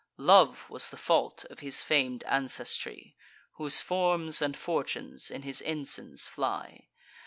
Love was the fault of his fam'd ancestry, Whose forms and fortunes in his ensigns fly.